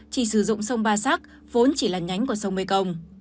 là một dòng sông ba sắc vốn chỉ là nhánh của sông mê công